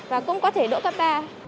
và cũng có thể đỗ cấp ba